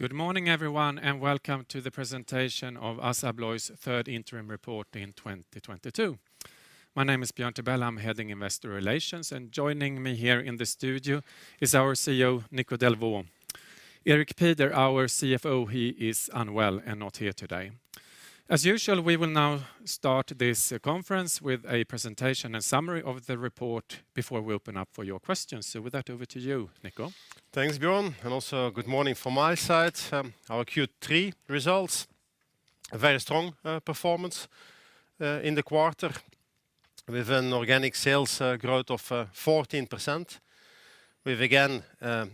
Good morning everyone, and welcome to the presentation of ASSA ABLOY's third interim report in 2022. My name is Björn Tibell. I'm heading Investor Relations, and joining me here in the studio is our CEO, Nico Delvaux. Erik Pieder, our CFO, he is unwell and not here today. As usual, we will now start this conference with a presentation and summary of the report before we open up for your questions. With that, over to you, Nico. Thanks, Björn, and also good morning from my side. Our Q3 results, a very strong performance in the quarter with an organic sales growth of 14%. With again,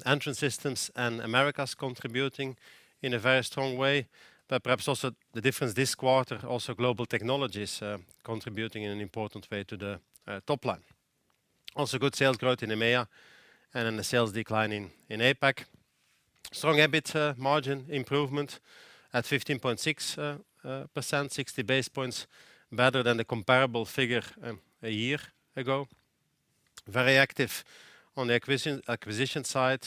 Entrance Systems and Americas contributing in a very strong way. Perhaps also the difference this quarter, also Global Technologies contributing in an important way to the top line. Also good sales growth in EMEA and a sales decline in APAC. Strong EBIT margin improvement at 15.6%, 60 basis points better than the comparable figure a year ago. Very active on the acquisition side,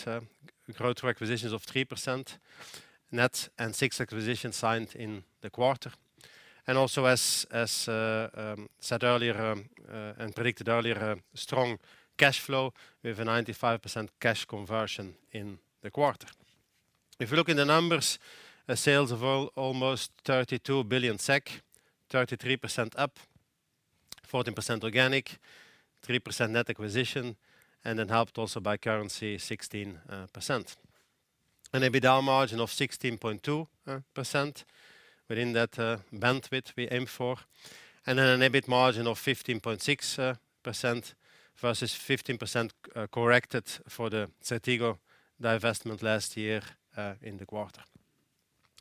growth through acquisitions of 3% net and six acquisitions signed in the quarter. As said earlier and predicted earlier, strong cash flow with a 95% cash conversion in the quarter. If you look in the numbers, sales of almost 32 billion SEK, 33% up, 14% organic, 3% net acquisition, and then helped also by currency 16%. An EBITDA margin of 16.2% within that bandwidth we aim for, and then an EBIT margin of 15.6% versus 15% corrected for the Certego investment last year in the quarter.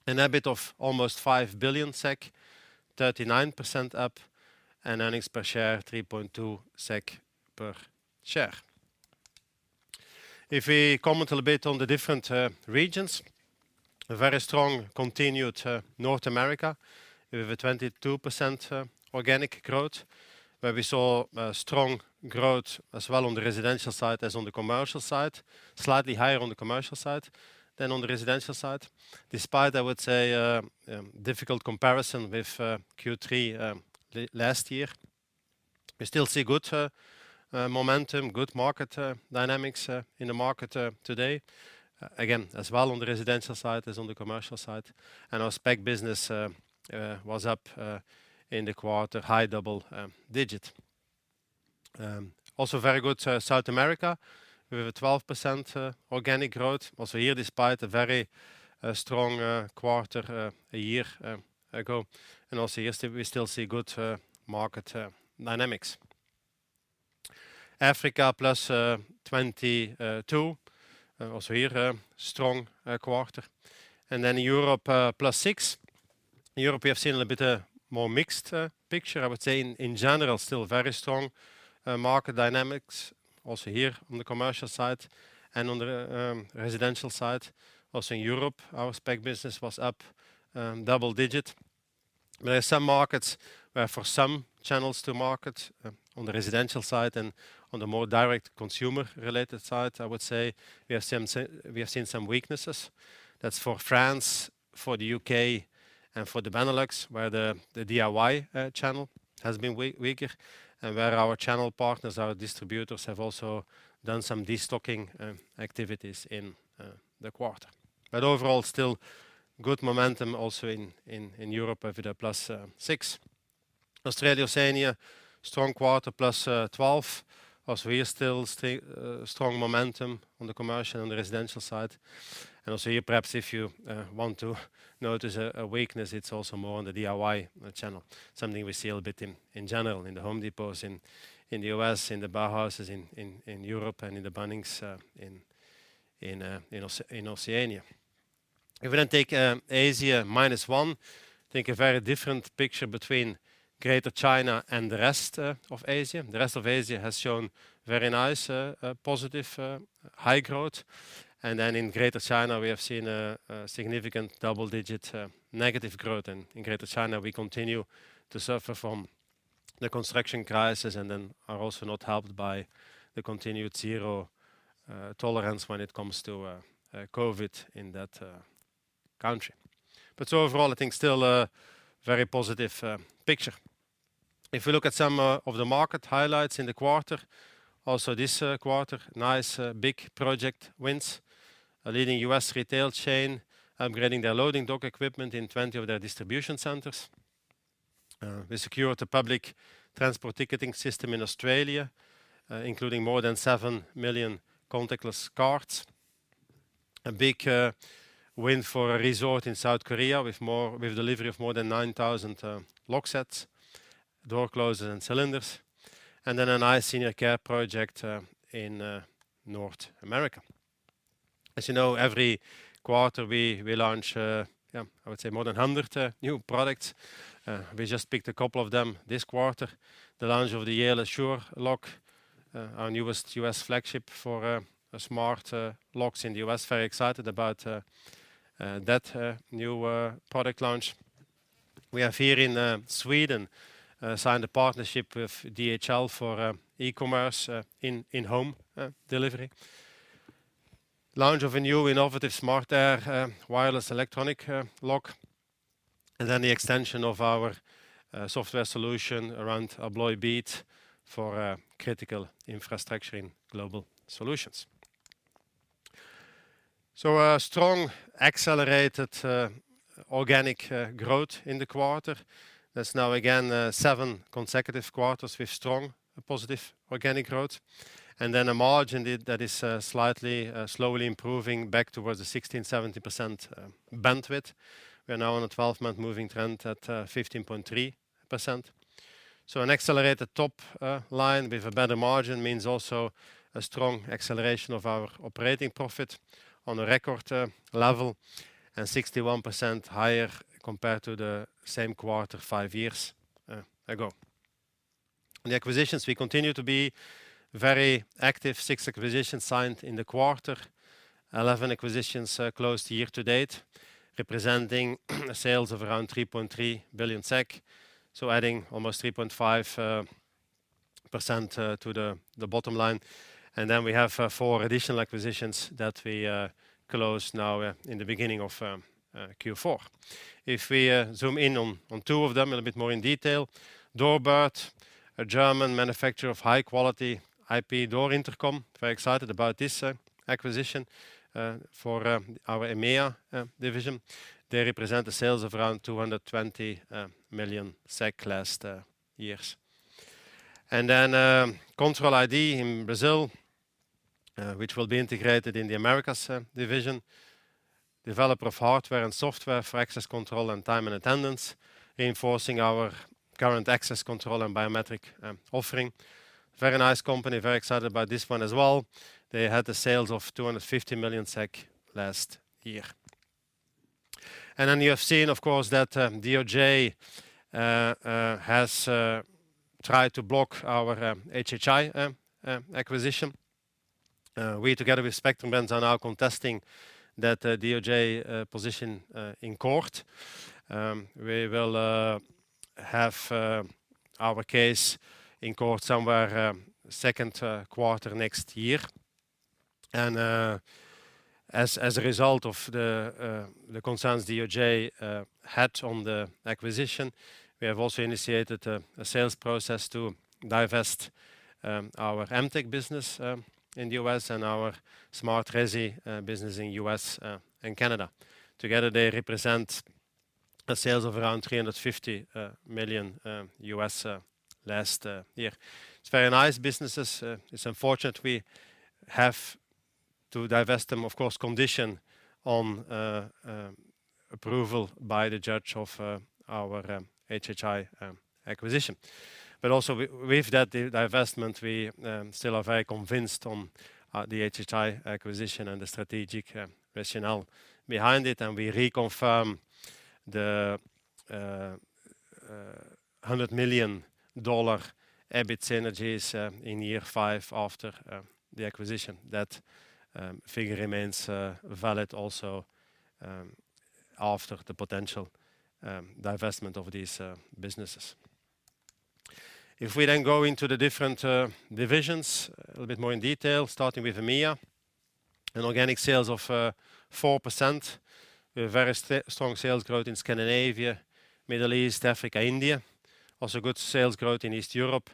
An EBIT of almost 5 billion SEK, 39% up, and earnings per share 3.2 SEK per share. If we comment a little bit on the different regions, a very strong continued North America with a 22% organic growth, where we saw strong growth as well on the residential side as on the commercial side. Slightly higher on the commercial side than on the residential side, despite, I would say, difficult comparison with Q3 last year. We still see good momentum, good market dynamics in the market today. Again, as well on the residential side as on the commercial side. Our spec business was up in the quarter, high double-digit. Also very good South America with a 12% organic growth. Also here, despite a very strong quarter a year ago. Also here still, we still see good market dynamics. Africa +22%. Also here strong quarter. Europe +6%. Europe, we have seen a little bit more mixed picture. I would say in general, still very strong market dynamics also here on the commercial side and on the residential side. Also in Europe, our spec business was up double-digit. There are some markets where for some channels to market, on the residential side and on the more direct consumer related side, I would say we have seen some weaknesses. That's for France, for the U.K., and for the Benelux, where the DIY channel has been weaker and where our channel partners, our distributors have also done some destocking activities in the quarter. Overall, still good momentum also in Europe with +6%. Australia, Oceania, strong quarter +12%. Also here, still strong momentum on the commercial and the residential side. Also here, perhaps if you want to notice a weakness, it's also more on the DIY channel. Something we see a little bit in general in the Home Depot in the U.S., in the Bauhaus in Europe and in the Bunnings in Oceania. If we then take Asia -1%, it takes a very different picture between Greater China and the rest of Asia. The rest of Asia has shown very nice positive high growth. Then in Greater China, we have seen a significant double-digit negative growth. In Greater China, we continue to suffer from the construction crisis and then are also not helped by the continued zero tolerance when it comes to COVID in that country. Overall, I think still a very positive picture. If we look at some of the market highlights in the quarter, also this quarter, nice big project wins. A leading U.S. retail chain upgrading their loading dock equipment in 20 of their distribution centers. We secured a public transport ticketing system in Australia, including more than 7 million contactless cards. A big win for a resort in South Korea with delivery of more than 9,000 lock sets, door closers and cylinders. A nice senior care project in North America. As you know, every quarter we launch more than 100 new products. We just picked a couple of them this quarter. The launch of the Yale Assure Lock, our newest U.S. flagship for smart locks in the U.S. Very excited about that new product launch. We have here in Sweden signed a partnership with DHL for e-commerce in-home delivery. Launch of a new innovative SMARTair wireless electronic lock, and then the extension of our software solution around ABLOY BEAT for critical infrastructure in Global Solutions. A strong accelerated organic growth in the quarter. That's now again seven consecutive quarters with strong positive organic growth. A margin that is slightly slowly improving back towards the 16%-17% bandwidth. We are now on a 12-month moving trend at 15.3%. An accelerated top-line with a better margin means also a strong acceleration of our operating profit on a record level and 61% higher compared to the same quarter five years ago. The acquisitions, we continue to be very active. Six acquisitions signed in the quarter. 11 acquisitions closed year to date, representing sales of around 3.3 billion SEK, adding almost 3.5% to the bottom line. We have four additional acquisitions that we closed now in the beginning of Q4. If we zoom in on two of them in a bit more in detail. DoorBird, a German manufacturer of high quality IP door intercom. Very excited about this acquisition for our EMEA division. They represent the sales of around 220 million SEK last year. Control ID in Brazil, which will be integrated in the Americas division. Developer of hardware and software for access control and time and attendance, reinforcing our current access control and biometric offering. Very nice company. Very excited about this one as well. They had the sales of 250 million SEK last year. You have seen, of course, that DOJ has tried to block our HHI acquisition. We, together with Spectrum Brands, are now contesting that DOJ position in court. We will have our case in court sometime second quarter next year. As a result of the concerns DOJ had on the acquisition, we have also initiated a sales process to divest our Emtek business in the U.S. and our Smart Residential business in the U.S. and Canada. Together they represent sales of around $350 million last year. It's very nice businesses. It's unfortunate we have to divest them, of course, conditioned on approval by the judge of our HHI acquisition. Also with that divestment, we still are very convinced on the HHI acquisition and the strategic rationale behind it, and we reconfirm the $100 million EBIT synergies in year five after the acquisition. That figure remains valid also after the potential divestment of these businesses. If we then go into the different divisions a little bit more in detail, starting with EMEA, an organic sales of 4%. We have very strong sales growth in Scandinavia, Middle East, Africa, India. Also good sales growth in East Europe.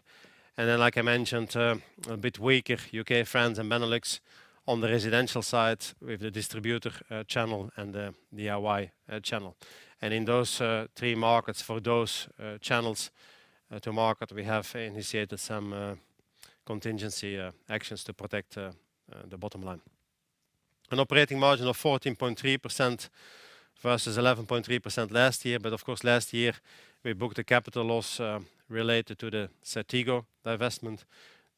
Like I mentioned, a bit weaker U.K., France and Benelux on the residential side with the distributor channel and DIY channel. In those three markets for those channels to market, we have initiated some contingency actions to protect the bottom line. An operating margin of 14.3% versus 11.3% last year. Of course last year we booked a capital loss related to the CERTEGO divestment.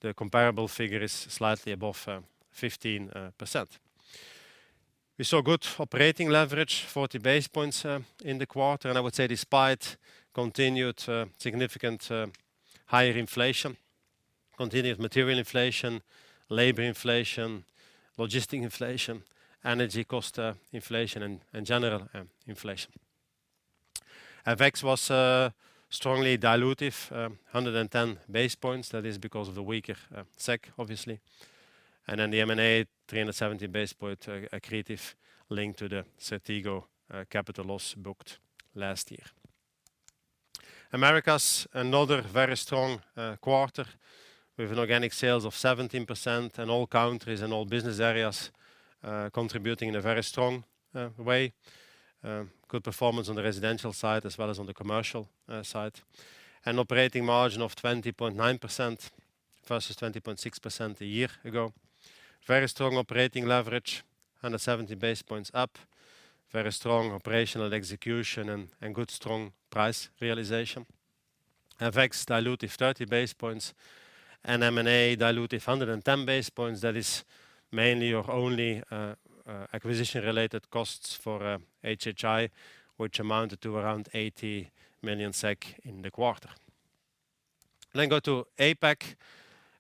The comparable figure is slightly above 15%. We saw good operating leverage, 40 base points in the quarter, and I would say despite continued significant higher inflation, continued material inflation, labor inflation, logistic inflation, energy cost inflation and general inflation. FX was strongly dilutive, 110 base points. That is because of the weaker SEK obviously. Then the M&A, 370 base point accretive link to the CERTEGO capital loss booked last year. Americas, another very strong quarter with an organic sales of 17% and all countries and all business areas contributing in a very strong way. Good performance on the residential side as well as on the commercial side. An operating margin of 20.9% versus 20.6% a year ago. Very strong operating leverage, 170 basis points up. Very strong operational execution and good strong price realization. FX dilutive 30 basis points and M&A dilutive 110 basis points. That is mainly or only acquisition related costs for HHI, which amounted to around 80 million SEK in the quarter. Go to APAC,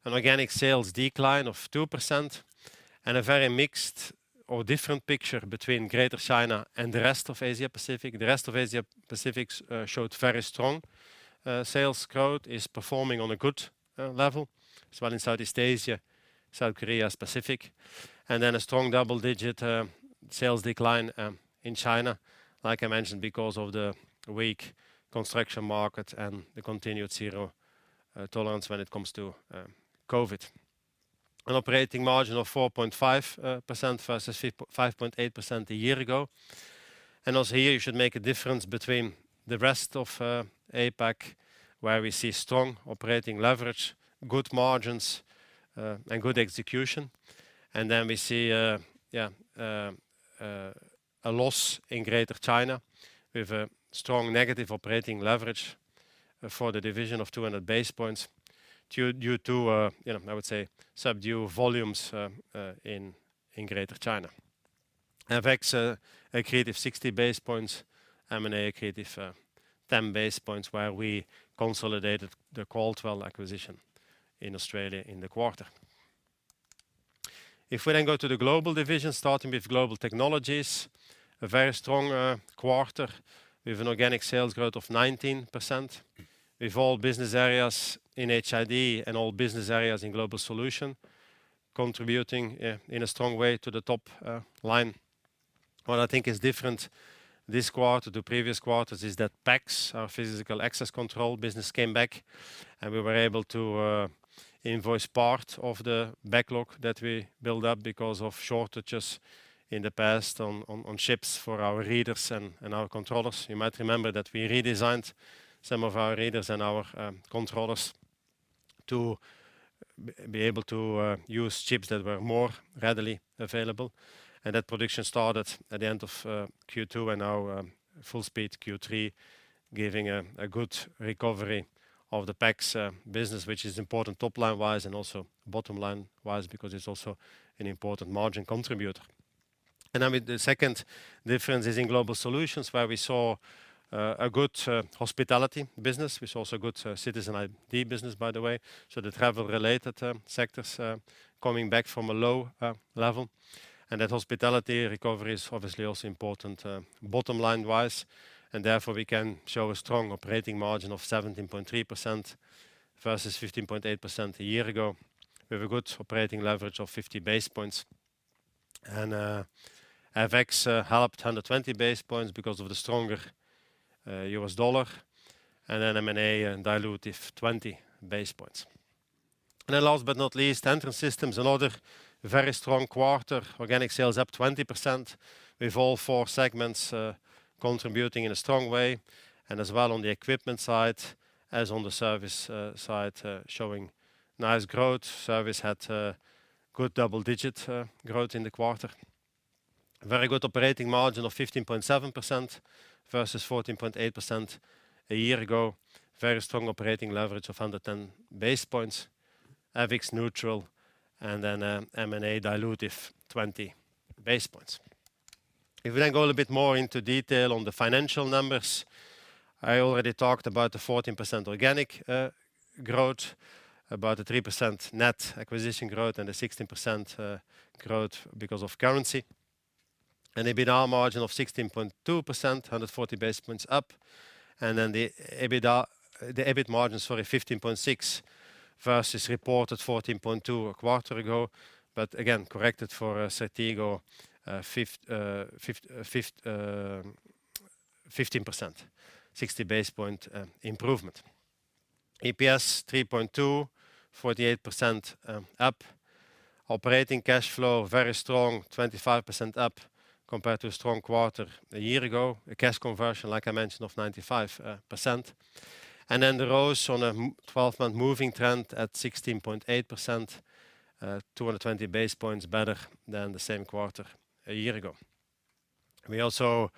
an organic sales decline of 2% and a very mixed or different picture between Greater China and the rest of Asia Pacific. The rest of Asia Pacific showed very strong sales growth, is performing on a good level as well in Southeast Asia, South Korea specifically, and then a strong double-digit sales decline in China, like I mentioned, because of the weak construction market and the continued zero tolerance when it comes to COVID. An operating margin of 4.5% versus 5.8% a year ago. Also here you should make a difference between the rest of APAC, where we see strong operating leverage, good margins, and good execution. We see a loss in Greater China with a strong negative operating leverage for the division of 200 basis points due to, I would say, subdued volumes in Greater China. FX accretive 60 basis points, M&A accretive 10 basis points where we consolidated the Qualtrics acquisition in Australia in the quarter. If we go to the global division, starting with Global Technologies, a very strong quarter with an organic sales growth of 19% with all business areas in HID and all business areas in Global Solutions contributing in a strong way to the top line. What I think is different this quarter to previous quarters is that PACS, our Physical Access Control business came back and we were able to invoice part of the backlog that we build up because of shortages in the past on chips for our readers and our controllers. You might remember that we redesigned some of our readers and our controllers to be able to use chips that were more readily available. That production started at the end of Q2 and now full speed Q3, giving a good recovery of the PACS business, which is important top-line wise and also bottom-line wise because it's also an important margin contributor. With the second difference is in Global Solutions, where we saw a good hospitality business, which is also a good citizen ID business, by the way. The travel-related sectors coming back from a low level. That hospitality recovery is obviously also important bottom-line wise, and therefore we can show a strong operating margin of 17.3% versus 15.8% a year ago. We have a good operating leverage of 50 basis points. FX helped 120 basis points because of the stronger US dollar, and then M&A dilutive 20 basis points. Then last but not least, Entrance Systems, another very strong quarter, organic sales up 20% with all four segments contributing in a strong way, and as well on the equipment side as on the service side showing nice growth. Service had good double-digit growth in the quarter. Very good operating margin of 15.7% versus 14.8% a year ago. Very strong operating leverage of 110 basis points, FX neutral, and then M&A dilutive 20 basis points. If we then go a bit more into detail on the financial numbers, I already talked about the 14% organic growth, about the 3% net acquisition growth, and the 16% growth because of currency. An EBITDA margin of 16.2%, 140 basis points up. The EBIT margin, sorry, 15.6 versus reported 14.2 a quarter ago. Corrected for CERTEGO, 15%, 60 basis points improvement. EPS 3.2, 48% up. Operating cash flow, very strong, 25% up compared to a strong quarter a year ago. A cash conversion, like I mentioned, of 95%. The ROCE on a 12-month moving trend at 16.8%, 220 basis points better than the same quarter a year ago. We also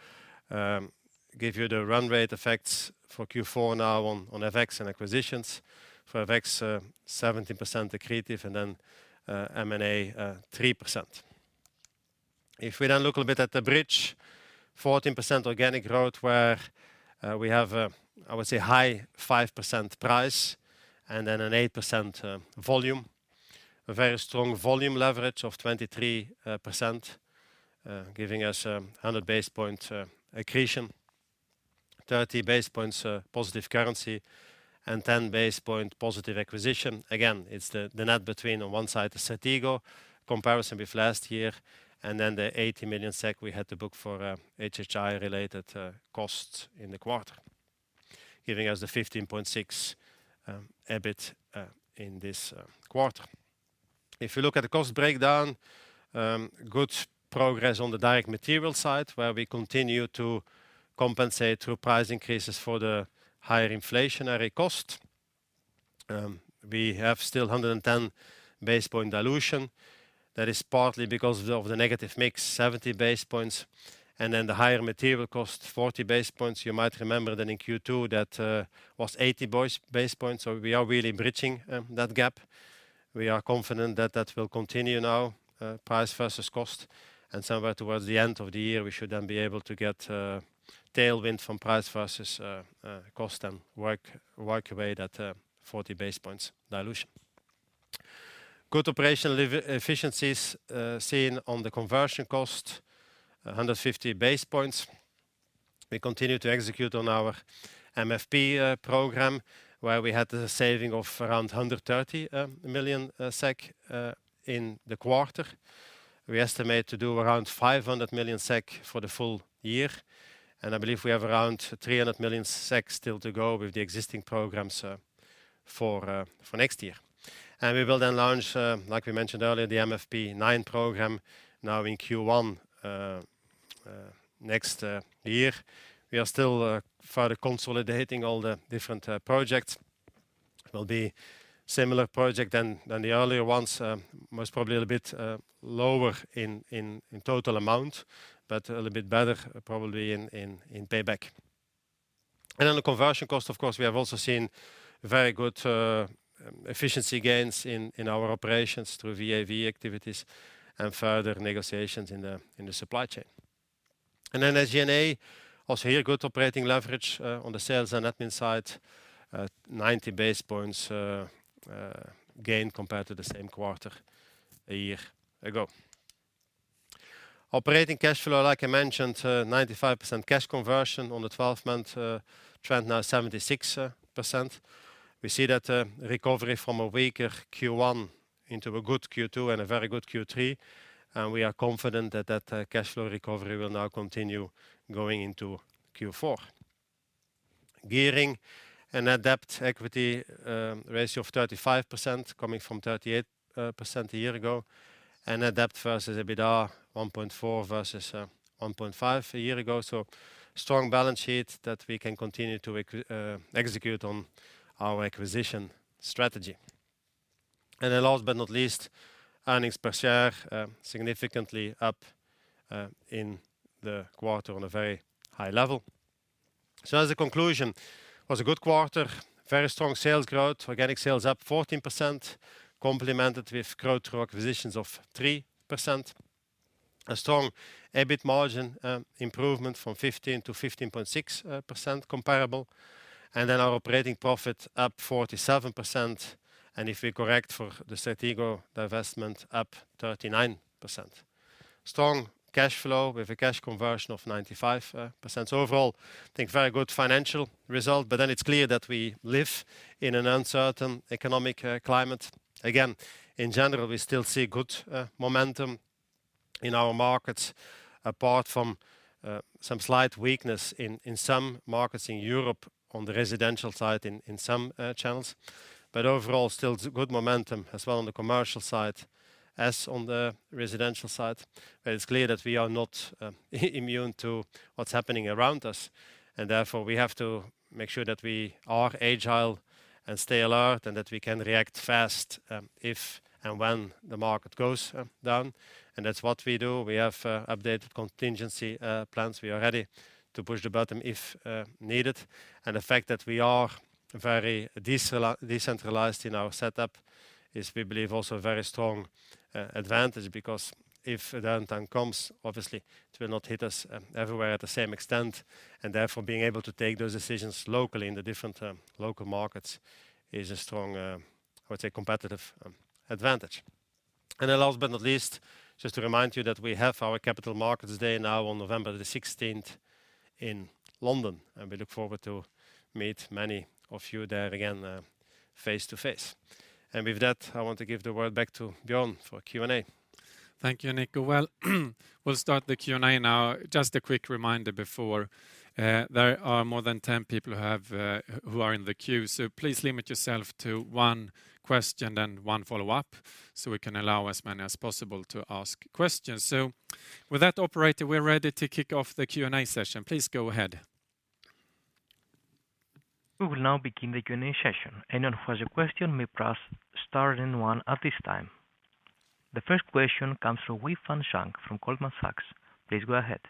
give you the run rate effects for Q4 now on FX and acquisitions. For FX, 17% accretive and then M&A 3%. If we then look a bit at the bridge, 14% organic growth where we have, I would say, high 5% price and then an 8% volume. A very strong volume leverage of 23%, giving us 100 basis points accretion, 30 basis points positive currency, and 10 basis points positive acquisition. It's the net between on one side the CERTEGO comparison with last year and then the 80 million SEK we had to book for HHI-related costs in the quarter, giving us the 15.6 EBIT in this quarter. If you look at the cost breakdown, good progress on the direct material side, where we continue to compensate through price increases for the higher inflationary cost. We have still 110 basis points dilution. That is partly because of the negative mix, 70 basis points, and then the higher material cost, 40 basis points. You might remember that in Q2 that was 80 basis points, so we are really bridging that gap. We are confident that that will continue now, price versus cost. Somewhere towards the end of the year, we should then be able to get tailwind from price versus cost and work away that 40 basis points dilution. Good operational efficiencies seen on the conversion cost, 150 basis points. We continue to execute on our MFP program, where we had the saving of around 130 million SEK in the quarter. We estimate to do around 500 million SEK for the full year, and I believe we have around 300 million SEK still to go with the existing programs for next year. We will then launch, like we mentioned earlier, the MFP9 program now in Q1 next year. We are still further consolidating all the different projects. will be a similar project than the earlier ones, most probably a little bit lower in total amount, but a little bit better probably in payback. On the conversion cost, of course, we have also seen very good efficiency gains in our operations through VA/VE activities and further negotiations in the supply chain. As G&A, also here good operating leverage on the sales and admin side at 90 basis points gain compared to the same quarter a year ago. Operating cash flow, like I mentioned, 95% cash conversion on the 12-month trend now 76%. We see that recovery from a weaker Q1 into a good Q2 and a very good Q3, and we are confident that that cash flow recovery will now continue going into Q4. Gearing, a net debt equity ratio of 35% coming from 38% a year ago. Net debt versus EBITDA 1.4 versus 1.5 a year ago. Strong balance sheet that we can continue to execute on our acquisition strategy. Last but not least, earnings per share significantly up in the quarter on a very high level. As a conclusion, it was a good quarter. Very strong sales growth. Organic sales up 14%, complemented with growth through acquisitions of 3%. A strong EBIT margin improvement from 15% to 15.6% comparable. Our operating profit up 47%. If we correct for the CERTEGO divestment, up 39%. Strong cash flow with a cash conversion of 95%. Overall, I think very good financial result. It's clear that we live in an uncertain economic climate. Again, in general, we still see good momentum in our markets, apart from some slight weakness in some markets in Europe on the residential side in some channels. Overall, still good momentum as well on the commercial side as on the residential side. It's clear that we are not immune to what's happening around us, and therefore, we have to make sure that we are agile and stay alert, and that we can react fast, if and when the market goes down. That's what we do. We have updated contingency plans. We are ready to push the button if needed. The fact that we are very decentralized in our setup is, we believe, also a very strong advantage because if a downturn comes, obviously it will not hit us everywhere at the same extent. Therefore, being able to take those decisions locally in the different local markets is a strong, I would say, competitive advantage. Then last but not least, just to remind you that we have our Capital Markets Day now on November the sixteenth in London, and we look forward to meet many of you there again, face to face. With that, I want to give the word back to Björn for Q&A. Thank you, Nico. Well, we'll start the Q&A now. Just a quick reminder before there are more than 10 people who are in the queue, so please limit yourself to one question, then one follow-up, so we can allow as many as possible to ask questions. With that, operator, we're ready to kick off the Q&A session. Please go ahead. We will now begin the Q&A session. Anyone who has a question, may press star then one at this time. The first question comes from Daniela Costa from Goldman Sachs. Please go ahead.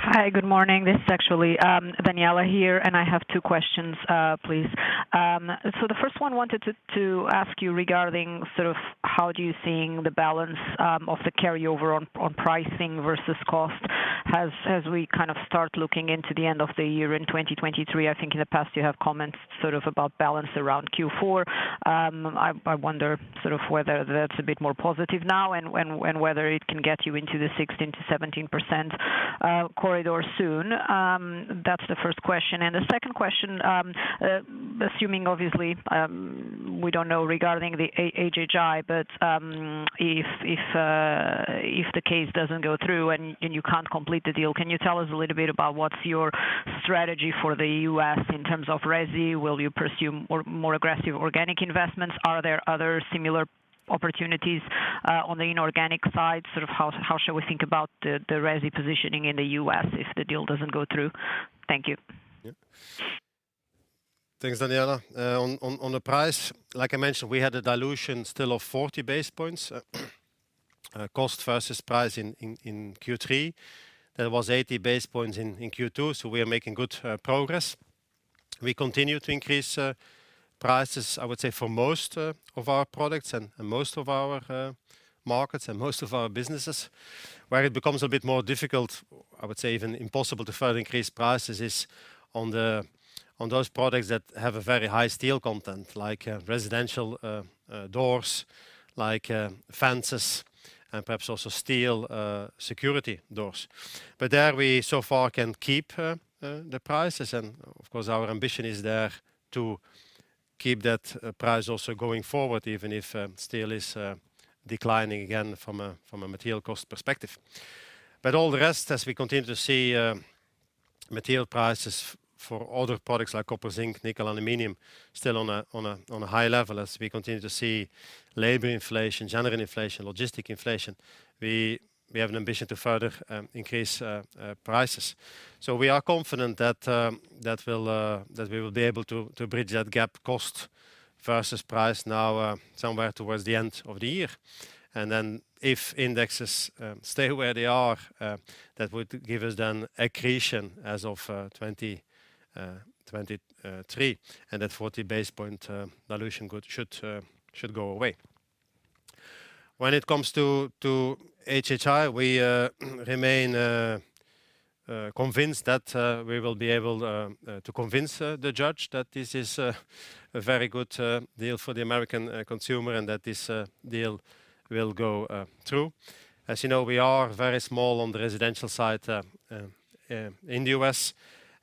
Hi, good morning. This is actually Daniela here, and I have two questions, please. I wanted to ask you regarding sort of how you're seeing the balance of the carryover on pricing versus cost as we kind of start looking into the end of the year in 2023. I think in the past you have commented sort of about balance around Q4. I wonder sort of whether that's a bit more positive now and whether it can get you into the 16%-17% corridor soon. That's the first question. The second question, assuming obviously, we don't know regarding the HHI, but if the case doesn't go through and you can't complete the deal, can you tell us a little bit about what's your strategy for the U.S. in terms of resi? Will you pursue more aggressive organic investments? Are there other similar opportunities on the inorganic side? Sort of how should we think about the resi positioning in the U.S. if the deal doesn't go through? Thank you. Yeah. Thanks, Daniela. On the price, like I mentioned, we had a dilution still of 40 basis points. Cost versus price in Q3. There was 80 basis points in Q2, so we are making good progress. We continue to increase prices, I would say, for most of our products and most of our markets and most of our businesses. Where it becomes a bit more difficult, I would say even impossible to further increase prices is on those products that have a very high steel content like residential doors, like fences and perhaps also steel security doors. There we so far can keep the prices and of course our ambition is there to keep that price also going forward, even if steel is declining again from a material cost perspective. All the rest, as we continue to see, material prices for other products like copper, zinc, nickel, aluminum, still on a high level as we continue to see labor inflation, general inflation, logistics inflation. We have an ambition to further increase prices. We are confident that we'll be able to bridge that gap, cost versus price now, somewhere towards the end of the year. Then if indexes stay where they are, that would give us accretion as of 2023, and that 40 basis point dilution should go away. When it comes to HHI, we remain convinced that we will be able to convince the judge that this is a very good deal for the American consumer and that this deal will go through. As you know, we are very small on the residential side in the U.S.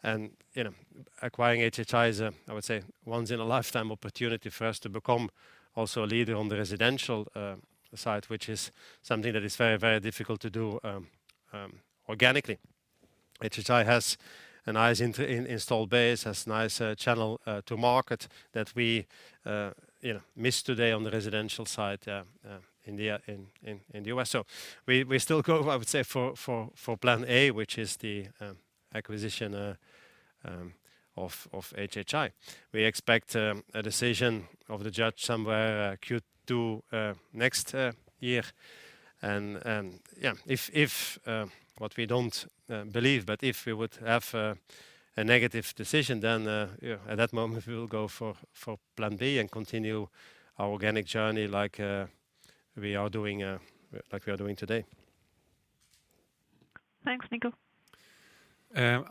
and, you know, acquiring HHI is a, I would say, once in a lifetime opportunity for us to become also a leader on the residential side, which is something that is very, very difficult to do organically. HHI has a nice installed base, has nice channel to market that we, you know, miss today on the residential side in the U.S. We still go, I would say, for plan A, which is the acquisition of HHI. We expect a decision of the judge somewhere Q2 next year and yeah, if what we don't believe, but if we would have a negative decision, then you know, at that moment we will go for plan B and continue our organic journey like we are doing today. Thanks, Nico.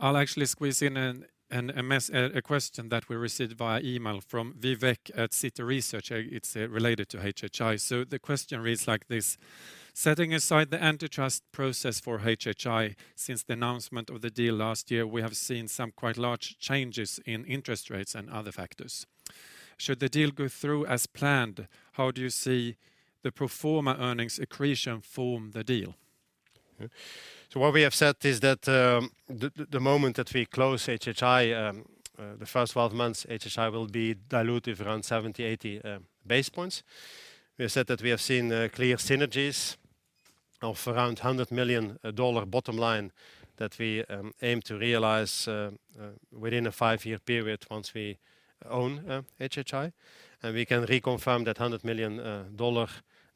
I'll actually squeeze in a question that we received via email from Vivek at Citi Research. It's related to HHI. The question reads like this: Setting aside the antitrust process for HHI, since the announcement of the deal last year, we have seen some quite large changes in interest rates and other factors. Should the deal go through as planned, how do you see the pro forma earnings accretion from the deal? What we have said is that the moment that we close HHI, the first 12 months, HHI will be dilutive around 70-80 basis points. We have said that we have seen clear synergies of around $100 million bottom line that we aim to realize within a five-year period once we own HHI. We can reconfirm that $100 million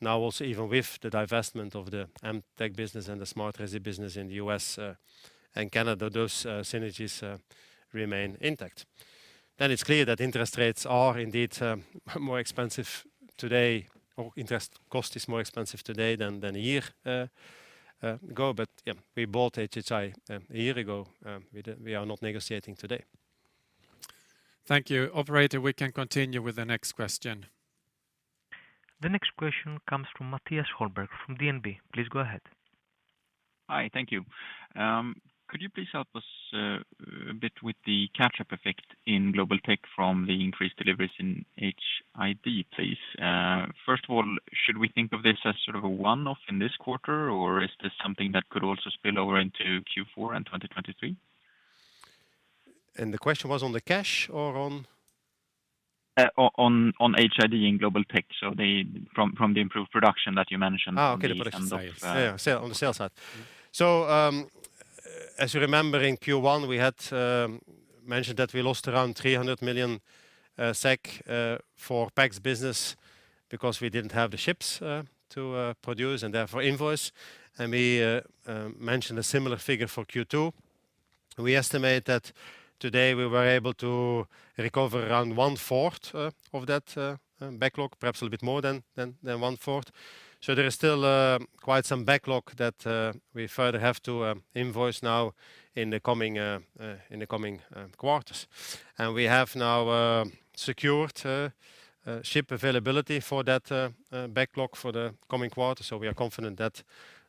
now also even with the divestment of the Emtek business and the Smart Residential business in the U.S. and Canada, those synergies remain intact. It's clear that interest rates are indeed more expensive today, or interest cost is more expensive today than a year ago. Yeah, we bought HHI a year ago. We are not negotiating today. Thank you. Operator, we can continue with the next question. The next question comes from Mattias Holmberg from DNB. Please go ahead. Hi, thank you. Could you please help us a bit with the catch-up effect in Global Technologies from the increased deliveries in HID, please? First of all, should we think of this as sort of a one-off in this quarter, or is this something that could also spill over into Q4 and 2023? The question was on the cash or on? On HID and Global Tech. From the improved production that you mentioned from the end of- Okay. The production side. Yeah. On the sales side. Mm-hmm. As you remember in Q1, we had mentioned that we lost around 300 million SEK for PACS business because we didn't have the chips to produce and therefore invoice. We mentioned a similar figure for Q2. We estimate that today we were able to recover around one-fourth of that backlog, perhaps a little bit more than one-fourth. There is still quite some backlog that we further have to invoice now in the coming quarters. We have now secured chip availability for that backlog for the coming quarters. We are confident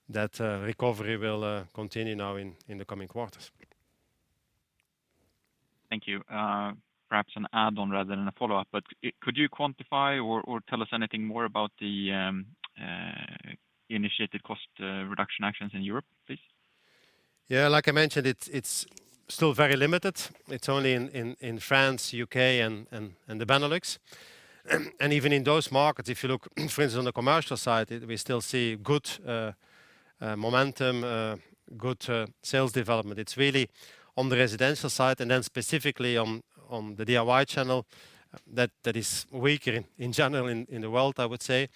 that recovery will continue now in the coming quarters. Thank you. Perhaps an add-on rather than a follow-up. Could you quantify or tell us anything more about the initiative cost reduction actions in Europe, please? Yeah, like I mentioned, it's still very limited. It's only in France, U.K., and the Benelux. Even in those markets, if you look for instance on the commercial side, we still see good momentum, good sales development. It's really on the residential side and then specifically on the DIY channel that is weaker in general in the world, I would say.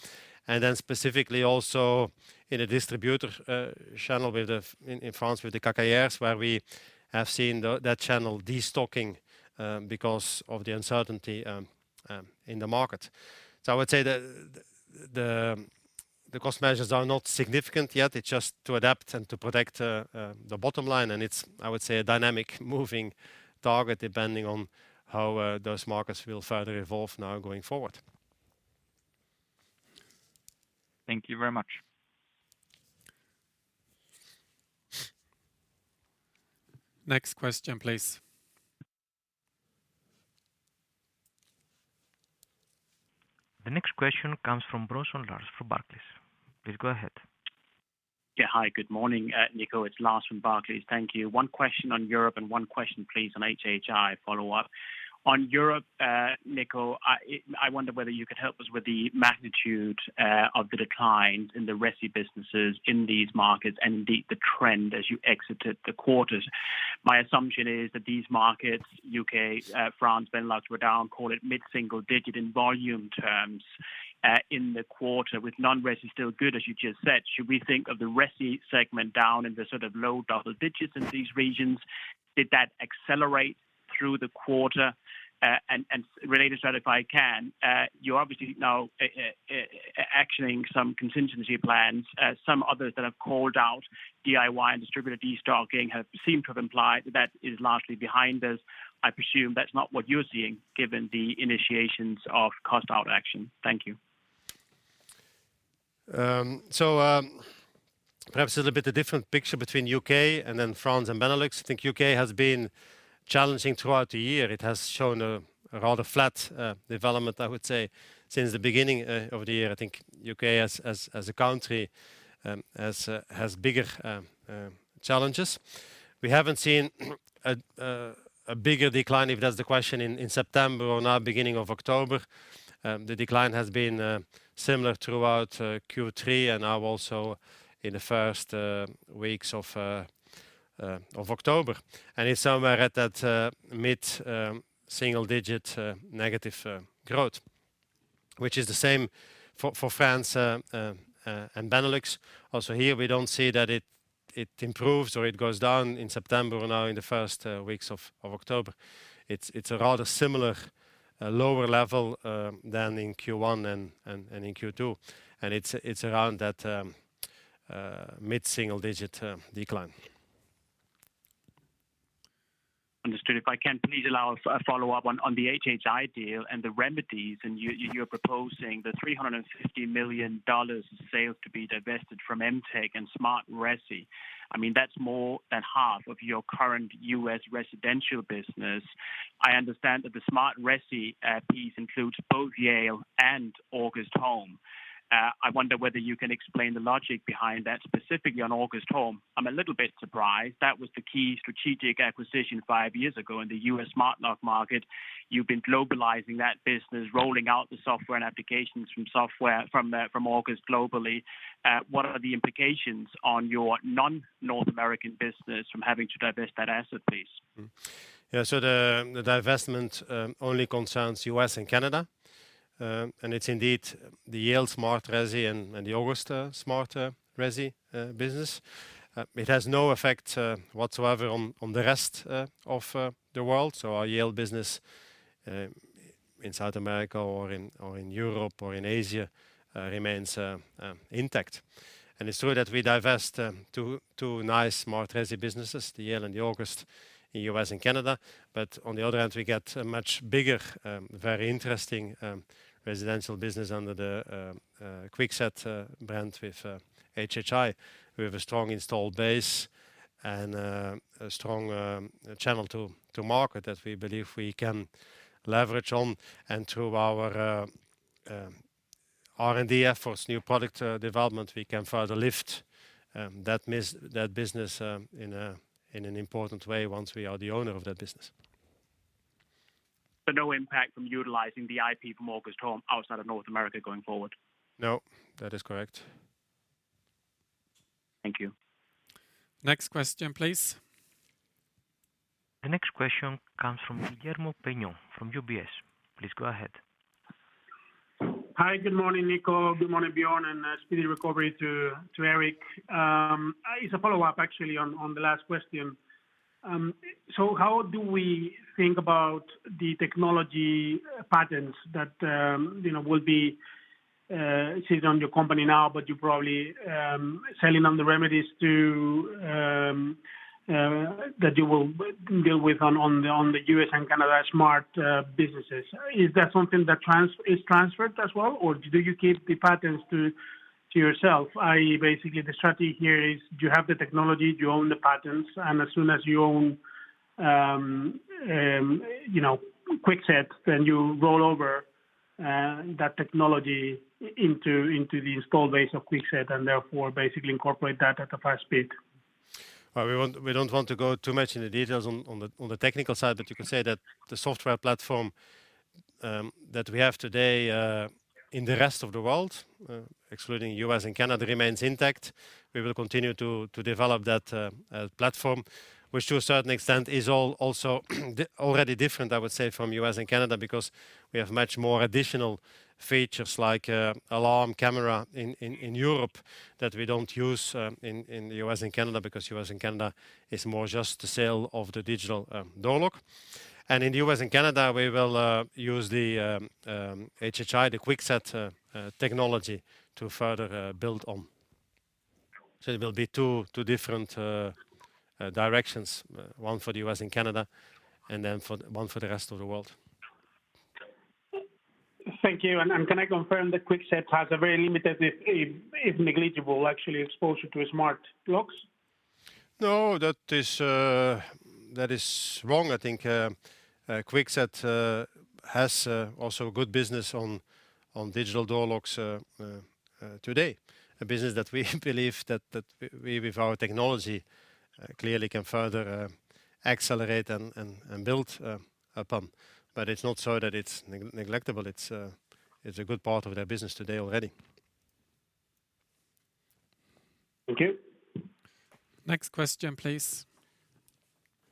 Then specifically also in a distributor channel in France with the Quincailliers, where we have seen the channel destocking, because of the uncertainty in the market. I would say the cost measures are not significant yet. It's just to adapt and to protect the bottom line. It's, I would say, a dynamic moving target, depending on how those markets will fRrther evolve now going forward. Thank you very much. Next question, please. The next question comes from Lars Brorson from Barclays. Please go ahead. Yeah. Hi, good morning, Nico. It's Lars Brorson from Barclays. Thank you. One question on Europe and one question, please, on HHI follow-up. On Europe, Nico, I wonder whether you could help us with the magnitude of the decline in the Resi businesses in these markets and the trend as you exited the quarters. My assumption is that these markets, U.K., France, Benelux, were down, call it mid-single digit in volume terms, in the quarter, with Non-Resi still good, as you just said. Should we think of the Resi segment down in the sort of low double digits in these regions? Did that accelerate through the quarter? And related to that, if I can, you're obviously now actioning some contingency plans. Some others that have called out DIY and distributor destocking have seemed to have implied that is largely behind us. I presume that's not what you're seeing, given the initiations of cost-out action? Thank you. Perhaps a little bit different picture between U.K. and then France and Benelux. I think U.K. has been challenging throughout the year. It has shown a rather flat development, I would say, since the beginning of the year. I think U.K. as a country has bigger challenges. We haven't seen a bigger decline, if that's the question, in September or now beginning of October. The decline has been similar throughout Q3 and now also in the first weeks of October. It's somewhere at that mid single digit negative growth, which is the same for France and Benelux. Also here, we don't see that it improves or it goes down in September or now in the first weeks of October. It's a rather similar lower level than in Q1 and in Q2. It's around that mid-single-digit% decline. Understood. If I can please allow a follow-up on the HHI deal and the remedies, and you're proposing $350 million of sales to be divested from Emtek and Smart Residential. I mean, that's more than half of your current U.S. residential business. I understand that the Smart Residential piece includes both Yale and August Home. I wonder whether you can explain the logic behind that, specifically on August Home. I'm a little bit surprised. That was the key strategic acquisition five years ago in the U.S. smart lock market. You've been globalizing that business, rolling out the software and applications from August globally. What are the implications on your non-North American business from having to divest that asset base? Yeah. The divestment only concerns U.S. and Canada, and it's indeed the Yale Smart Residential and the August Smart Residential business. It has no effect whatsoever on the rest of the world. Our Yale business in South America or in Europe or in Asia remains intact. It's true that we divest two nice Smart Residential businesses, the Yale and the August in U.S. and Canada. On the other hand, we get a much bigger, very interesting residential business under the Kwikset brand with HHI. We have a strong installed base and a strong channel to market that we believe we can leverage on. Through our R&D efforts, new product development, we can further lift that business in an important way once we are the owner of that business. No impact from utilizing the IP from August Home outside of North America going forward? No, that is correct. Thank you. Next question, please. The next question comes from Guillermo Peigneux Lojo from UBS. Please go ahead. Hi, good morning, Nico. Good morning, Björn, and speedy recovery to Erik. It's a follow-up actually on the last question. So how do we think about the technology patents that, you know, will be seized on your company now, but you're probably selling on the remedies to that you will deal with on the U.S. and Canada smart businesses. Is that something that is transferred as well, or do you keep the patents to yourself? Basically the strategy here is you have the technology, you own the patents, and as soon as you own, you know, Kwikset, then you roll over that technology into the installed base of Kwikset and therefore basically incorporate that at a fast speed. Well, we don't want to go too much in the details on the technical side, but you can say that the software platform that we have today in the rest of the world, excluding the U.S. and Canada, remains intact. We will continue to develop that platform, which to a certain extent is also already different, I would say, from the U.S. and Canada because we have much more additional features like alarm camera in Europe that we don't use in the U.S. and Canada because the U.S. and Canada is more just the sale of the digital door lock. In the U.S. and Canada we will use the HHI, the Kwikset technology to further build on. There will be two different directions, one for the U.S. and Canada and then one for the rest of the world. Thank you. Can I confirm that Kwikset has a very limited, if negligible actually exposure to smart locks? No, that is wrong. I think Kwikset has also good business on digital door locks today. A business that we believe that we with our technology clearly can further accelerate and build upon. It's not so that it's negligible. It's a good part of their business today already. Thank you. Next question, please.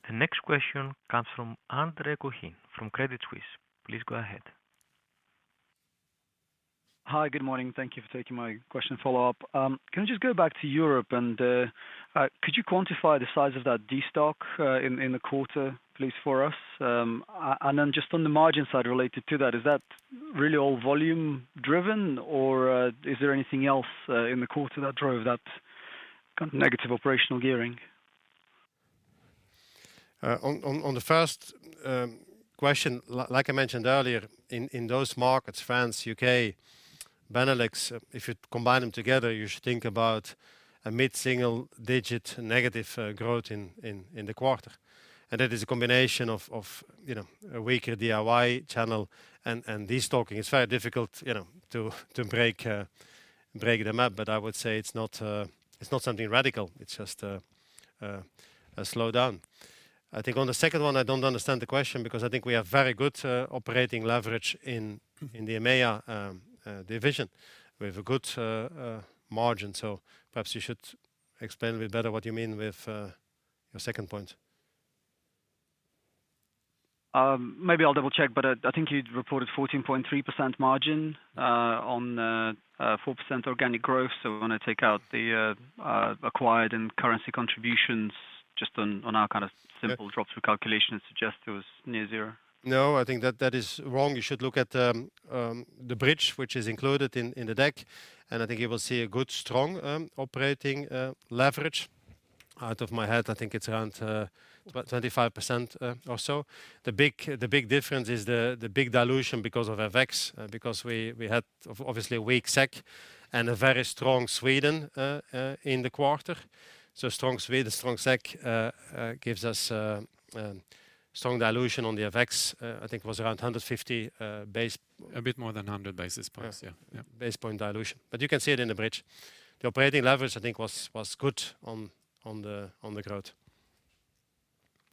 The next question comes from Andre Kukhnin from Credit Suisse. Please go ahead. Hi. Good morning. Thank you for taking my question and follow-up. Can I just go back to Europe and could you quantify the size of that destock in the quarter, please, for us? Just on the margin side related to that, is that really all volume driven or is there anything else in the quarter that drove that kind of negative operational gearing? On the first question, like I mentioned earlier, in those markets, France, U.K., Benelux, if you combine them together, you should think about a mid-single digit negative growth in the quarter. That is a combination of, you know, a weaker DIY channel and destocking. It's very difficult, you know, to break them up, but I would say it's not something radical. It's just a slowdown. I think on the second one, I don't understand the question because I think we have very good operating leverage in the EMEA division. We have a good margin. So perhaps you should explain a bit better what you mean with your second point. Maybe I'll double-check, but I think you'd reported 14.3% margin on 4% organic growth. We wanna take out the acquired and currency contributions just on our kind of simple- Yes. Drop-through calculation suggests it was near zero. No, I think that is wrong. You should look at the bridge which is included in the deck, and I think you will see a good strong operating leverage. Out of my head, I think it's around about 25% or so. The big difference is the big dilution because of FX, because we had obviously a weak SEK and a very strong SEK in the quarter. Strong SEK, strong SEK gives us strong dilution on the FX. I think it was around 150 base- A bit more than 100 basis points. Yeah. Yeah. Basis point dilution. You can see it in the bridge. The operating leverage I think was good on the growth.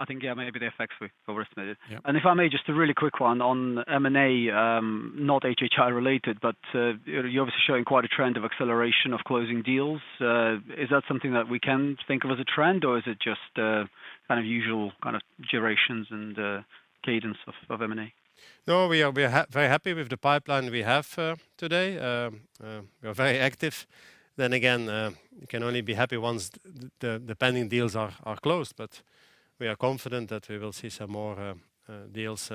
I think, yeah, maybe the FX we've overestimated. Yeah. If I may, just a really quick one on M&A, not HHI related, but you're obviously showing quite a trend of acceleration of closing deals. Is that something that we can think of as a trend, or is it just kind of usual kind of durations and cadence of M&A? No, we are very happy with the pipeline we have today. We are very active. We can only be happy once the pending deals are closed, but we are confident that we will see some more deals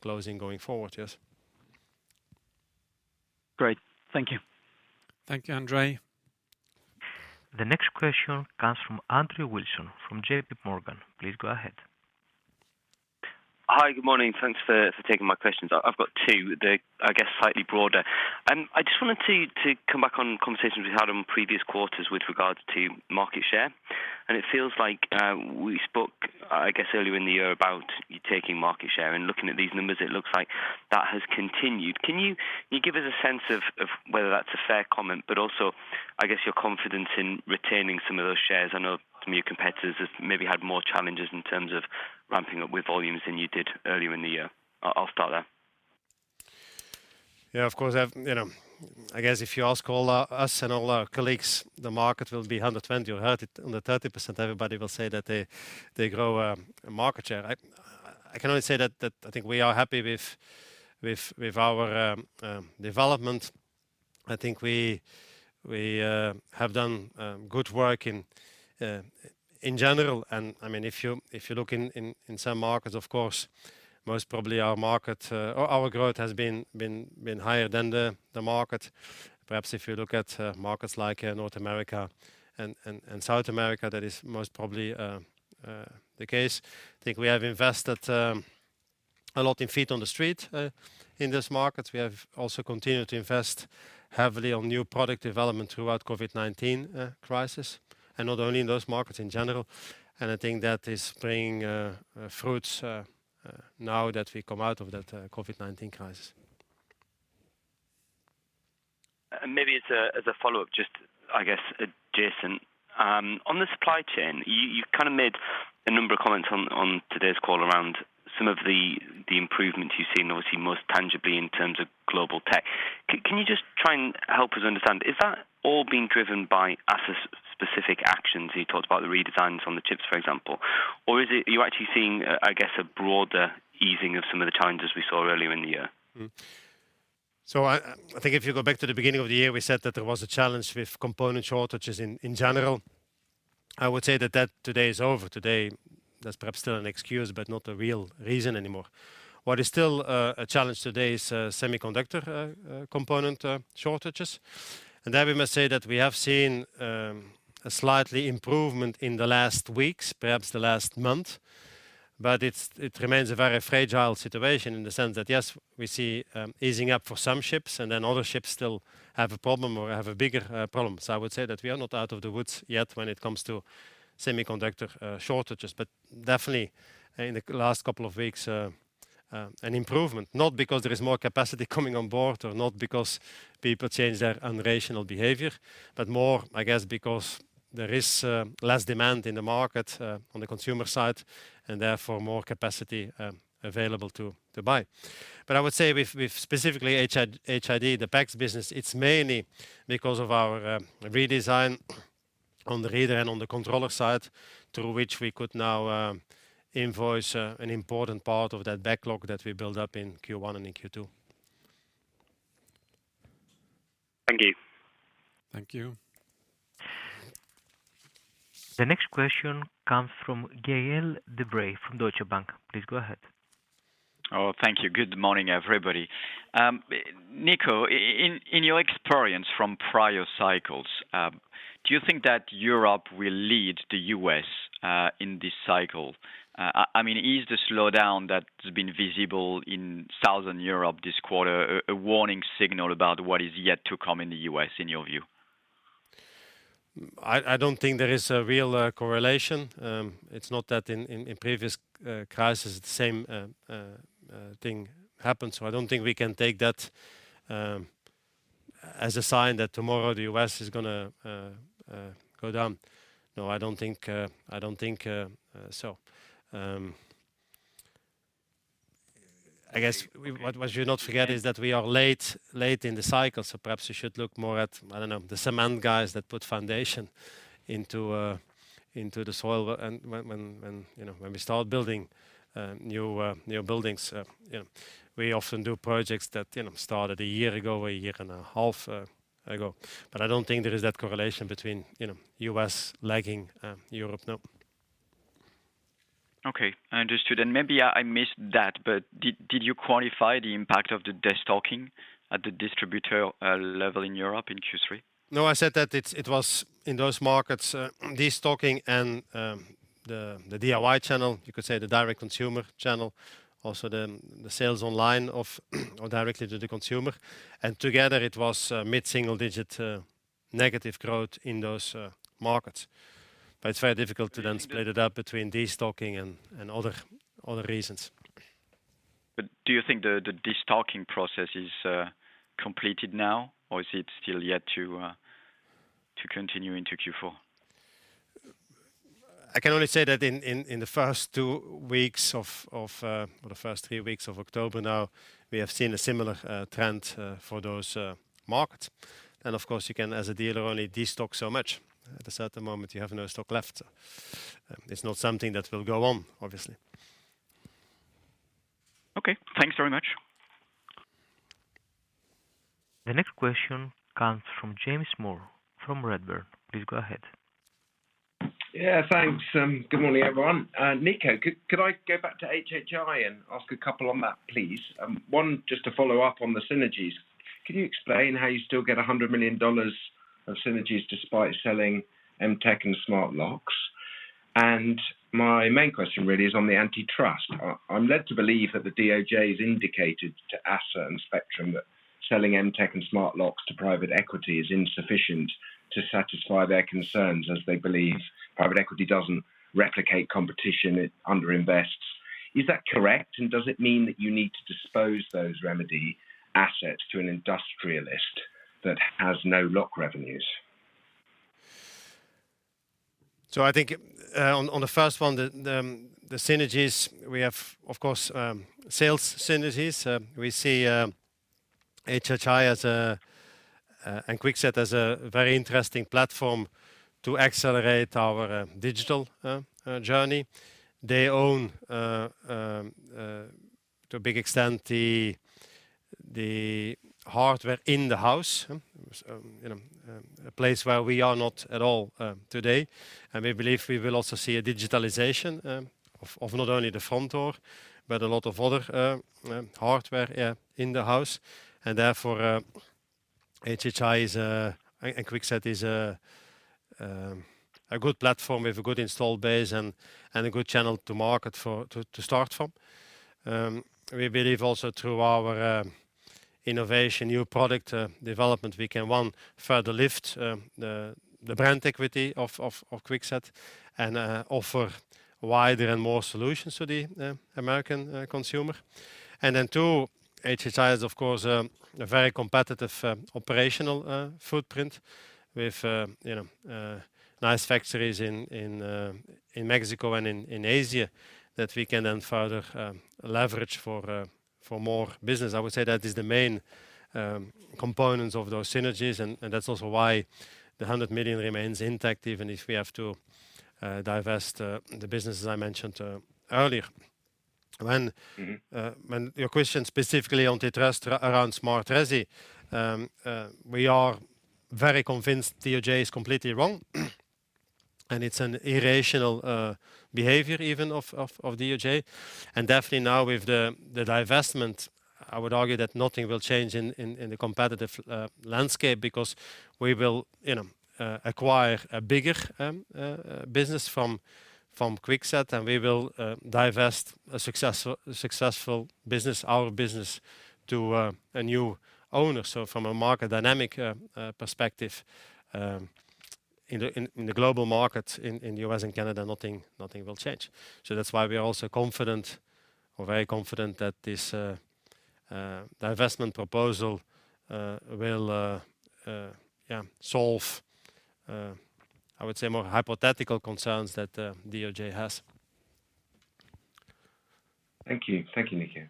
closing going forward. Yes. Great. Thank you. Thank you, Andre. The next question comes from Andrew Wilson from JP Morgan. Please go ahead. Hi. Good morning. Thanks for taking my questions. I've got two. They're, I guess, slightly broader. I just wanted to come back on conversations we had on previous quarters with regards to market share. It feels like we spoke, I guess earlier in the year about you taking market share. Looking at these numbers, it looks like that has continued. Can you give us a sense of whether that's a fair comment, but also I guess your confidence in retaining some of those shares? I know some of your competitors have maybe had more challenges in terms of ramping up with volumes than you did earlier in the year. I'll start there. Yeah, of course. I've I guess if you ask all our colleagues, the market will be 120% or 130%. Everybody will say that they grow market share. I can only say that I think we are happy with our development. I think we have done good work in general. I mean, if you look in some markets, of course, most probably our market, our growth has been higher than the market. Perhaps if you look at markets like North America and South America, that is most probably the case. I think we have invested a lot in feet on the street in this market. We have also continued to invest heavily on new product development throughout COVID-19 crisis, and not only in those markets, in general. I think that is bearing fruits now that we come out of that COVID-19 crisis. Maybe as a follow-up, just I guess, Jason, on the supply chain, you've kinda made a number of comments on today's call around some of the improvements you've seen, obviously most tangibly in terms of Global Technologies. Can you just try and help us understand, is that all being driven by Assa-specific actions? You talked about the redesigns on the chips, for example. Or is it you're actually seeing, I guess, a broader easing of some of the challenges we saw earlier in the year? I think if you go back to the beginning of the year, we said that there was a challenge with component shortages in general. I would say that today is over. Today, that's perhaps still an excuse, but not a real reason anymore. What is still a challenge today is semiconductor component shortages. There we must say that we have seen a slight improvement in the last weeks, perhaps the last month. It remains a very fragile situation in the sense that, yes, we see easing up for some shipments and then other shipments still have a problem or have a bigger problem. I would say that we are not out of the woods yet when it comes to semiconductor shortages. Definitely in the last couple of weeks, an improvement, not because there is more capacity coming on board or not because people change their irrational behavior, but more, I guess, because there is less demand in the market on the consumer side, and therefore more capacity available to buy. I would say with specifically HHI-HID, the PACS business, it is mainly because of our redesign on the reader and on the controller side through which we could now invoice an important part of that backlog that we built up in Q1 and in Q2. Thank you. Thank you. The next question comes from Gaël de-Bray from Deutsche Bank. Please go ahead. Oh, thank you. Good morning, everybody. Nico, in your experience from prior cycles, do you think that Europe will lead the U.S. in this cycle? I mean, is the slowdown that has been visible in Southern Europe this quarter a warning signal about what is yet to come in the U.S., in your view? I don't think there is a real correlation. It's not that in previous crises the same thing happened. I don't think we can take that as a sign that tomorrow the U.S. is gonna go down. No, I don't think so. I guess what we should not forget is that we are late in the cycle, so perhaps we should look more at, I don't know, the cement guys that put foundation into the soil. When you know, when we start building new buildings, you know, we often do projects that you know, started a year ago, a year and a half ago. I don't think there is that correlation between, you know, U.S. lagging Europe. No. Okay. Understood. Maybe I missed that, but did you quantify the impact of the destocking at the distributor level in Europe in Q3? No, I said that it was in those markets, destocking and the DIY channel, you could say the direct consumer channel, also the sales online or directly to the consumer. Together, it was mid-single digit negative growth in those markets. It's very difficult to then split it up between destocking and other reasons. Do you think the destocking process is completed now, or is it still yet to continue into Q4? I can only say that in the first two weeks or the first three weeks of October now, we have seen a similar trend for those markets. Of course, you can, as a dealer, only destock so much. At a certain moment, you have no stock left. It's not something that will go on, obviously. Okay. Thanks very much. The next question comes from James Moore from Redburn. Please go ahead. Yeah, thanks. Good morning, everyone. Nico, could I go back to HHI and ask a couple on that, please? One, just to follow up on the synergies. Can you explain how you still get $100 million of synergies despite selling Emtek and Smart Locks? My main question really is on the antitrust. I'm led to believe that the DOJ has indicated to Assa Abloy and Spectrum that selling Emtek and Smart Locks to private equity is insufficient to satisfy their concerns, as they believe private equity doesn't replicate competition, it underinvests. Is that correct? Does it mean that you need to dispose those remedy assets to an industrialist that has no lock revenues? I think on the first one, the synergies. We have, of course, sales synergies. We see HHI and Kwikset as a very interesting platform to accelerate our digital journey. They own to a big extent the hardware in the house, so you know, a place where we are not at all today. We believe we will also see a digitalization of not only the front door, but a lot of other hardware, yeah, in the house. Therefore, HHI and Kwikset is a good platform with a good installed base and a good channel to market to start from. We believe also through our innovation, new product development. We can one further lift the brand equity of Kwikset and offer wider and more solutions to the American consumer. Two, HHI is of course a very competitive operational footprint with you know nice factories in Mexico and in Asia that we can then further leverage for more business. I would say that is the main components of those synergies, and that's also why the $100 million remains intact even if we have to divest the businesses I mentioned earlier. When your question specifically on the thrust around Smart Residential, we are very convinced DOJ is completely wrong, and it's an irrational behavior even of DOJ. Definitely now with the divestment, I would argue that nothing will change in the competitive landscape because we will, you know, acquire a bigger business from Kwikset, and we will divest a successful business, our business, to a new owner. From a market dynamic perspective, in the global market in U.S. and Canada, nothing will change. That's why we are also confident or very confident that this divestment proposal will solve, I would say, more hypothetical concerns that DOJ has. Thank you. Thank you, Nico.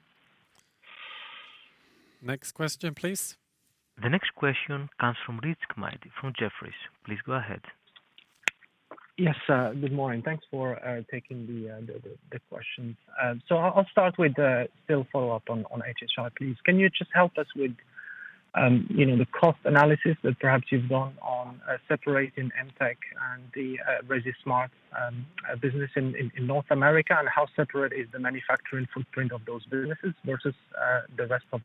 Next question, please. The next question comes from Rizk Maidi from Jefferies. Please go ahead. Yes, good morning. Thanks for taking the questions. So I'll start with the still follow-up on HHI please. Can you just help us with, you know, the cost analysis that perhaps you've done on separating Emtek and the Smart Residential business in North America? How separate is the manufacturing footprint of those businesses versus the rest of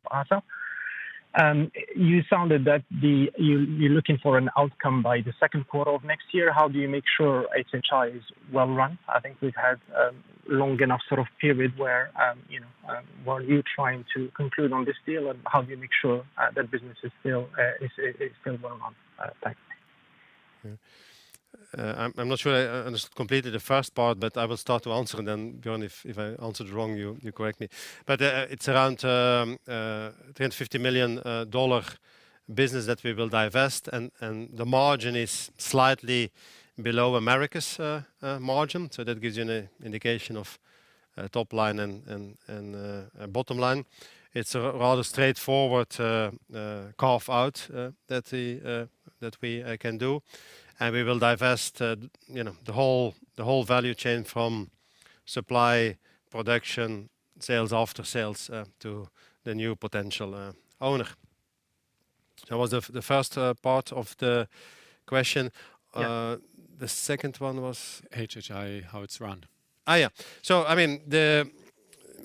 ASSA? You're looking for an outcome by the second quarter of next year. How do you make sure HHI is well run? I think we've had a long enough sort of period where, you know, while you're trying to conclude on this deal and how do you make sure that business is still well run? Thanks. Yeah. I'm not sure I understood completely the first part, but I will start to answer and then, Björn, if I answered wrong, you correct me. It's around $10 million-$50 million business that we will divest and the margin is slightly below Americas' margin. That gives you an indication of top line and bottom line. It's a rather straightforward carve-out that we can do. We will divest, you know, the whole value chain from supply, production, sales after sales to the new potential owner. That was the first part of the question. Yeah. The second one was? HHI, how it's run. Oh, yeah. I mean, the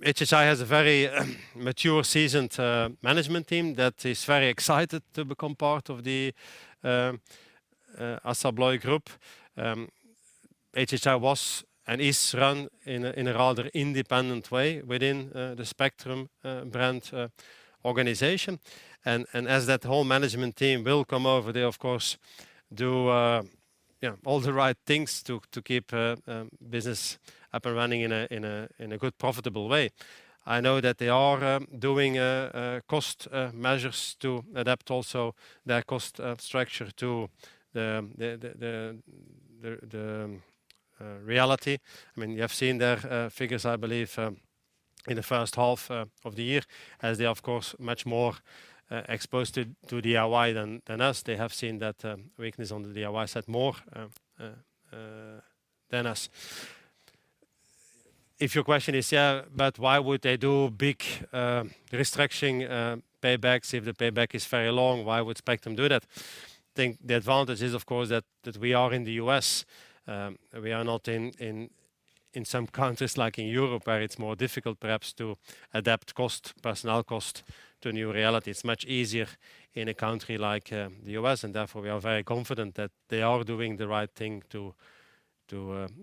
HHI has a very mature, seasoned management team that is very excited to become part of the ASSA ABLOY group. HHI was and is run in a rather independent way within the Spectrum Brands organization. As that whole management team will come over, they of course do you know all the right things to keep business up and running in a good profitable way. I know that they are doing cost measures to adapt also their cost structure to the reality. I mean, you have seen their figures, I believe, in the first half of the year. As they are of course much more exposed to DIY than us. They have seen that weakness on the DIY side more than us. If your question is, yeah, but why would they do big restructuring paybacks? If the payback is very long, why would Spectrum do that? I think the advantage is of course that we are in the U.S., we are not in some countries like in Europe, where it's more difficult perhaps to adapt cost, personnel cost to new reality. It's much easier in a country like the U.S., and therefore, we are very confident that they are doing the right thing to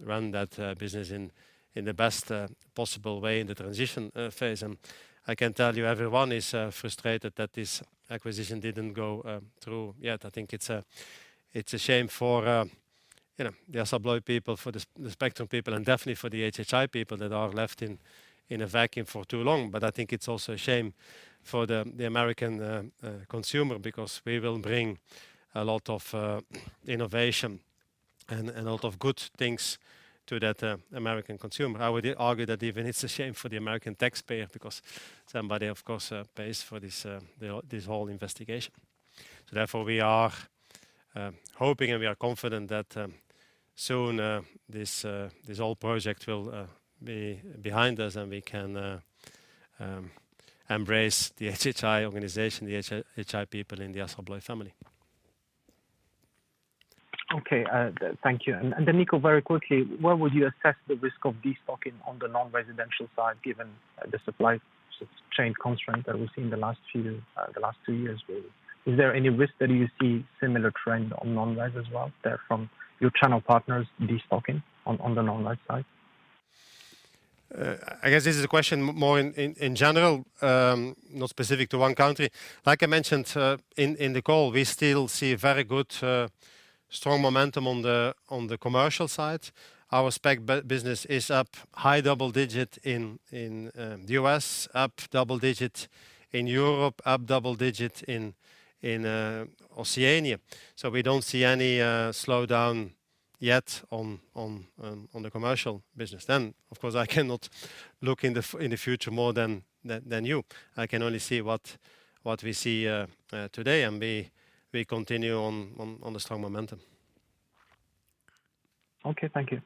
run that business in the best possible way in the transition phase. I can tell you everyone is frustrated that this acquisition didn't go through yet. I think it's a shame for, you know, the ASSA ABLOY people, for the Spectrum people, and definitely for the HHI people that are left in a vacuum for too long. I think it's also a shame for the American consumer because we will bring a lot of innovation and a lot of good things to that American consumer. I would argue that even it's a shame for the American taxpayer because somebody of course pays for this whole investigation. Therefore, we are hoping and we are confident that soon this whole project will be behind us and we can embrace the HHI organization, the HHI people in the ASSA ABLOY family. Okay. Thank you. Nico Delvaux, very quickly, where would you assess the risk of destocking on the Non-residential side given the supply chain constraint that we've seen the last two years? Is there any risk that you see similar trend on Non-Resi as well there from your channel partners destocking on the non-res side? I guess this is a question more in general, not specific to one country. Like I mentioned, in the call, we still see very good strong momentum on the commercial side. Our business is up high double digit in the U.S., up double digit in Europe, up double digit in Oceania. We don't see any slowdown yet on the commercial business. Of course, I cannot look in the future more than you. I can only see what we see today, and we continue on the strong momentum. Okay, thank you.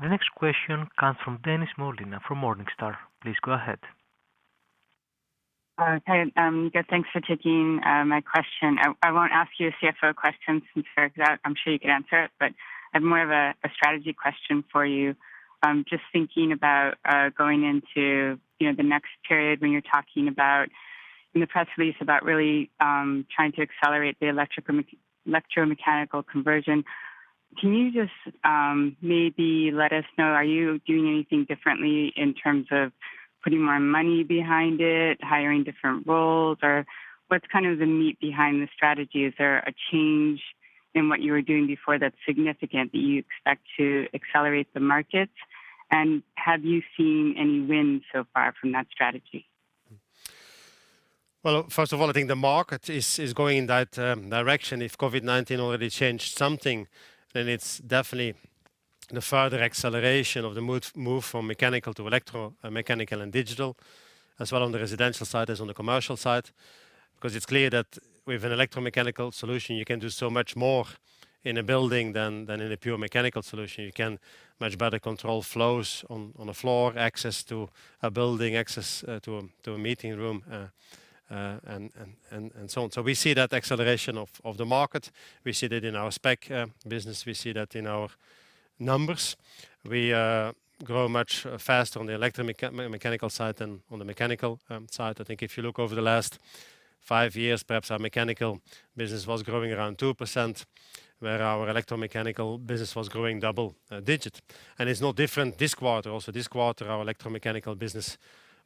The next question comes from Denise Molina from Morningstar. Please go ahead. Hi, yeah, thanks for taking my question. I won't ask you a CFO question since you figured it out. I'm sure you could answer it, but I have more of a strategy question for you. Just thinking about going into, you know, the next period when you're talking about in the press release about really trying to accelerate the electromechanical conversion. Can you just maybe let us know, are you doing anything differently in terms of putting more money behind it, hiring different roles? Or what's kind of the meat behind the strategy? Is there a change in what you were doing before that's significant that you expect to accelerate the markets? And have you seen any wins so far from that strategy? Well, first of all, I think the market is going in that direction. If COVID-19 already changed something, then it's definitely the further acceleration of the move from mechanical to electromechanical and digital, as well on the residential side as on the commercial side. Because it's clear that with an electromechanical solution, you can do so much more in a building than in a pure mechanical solution. You can much better control flows on a floor, access to a building, access to a meeting room and so on. We see that acceleration of the market. We see that in our spec business. We see that in our numbers. We grow much faster on the electromechanical side than on the mechanical side. I think if you look over the last five years, perhaps our mechanical business was growing around 2%, while our electromechanical business was growing double-digit. It's no different this quarter. Also this quarter, our electromechanical business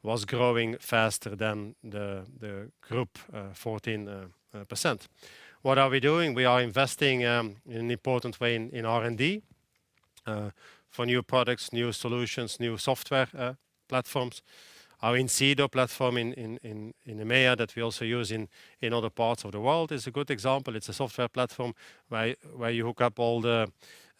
was growing faster than the group 14%. What are we doing? We are investing in an important way in R&D for new products, new solutions, new software platforms. Our Incedo platform in EMEA that we also use in other parts of the world is a good example. It's a software platform where you hook up all the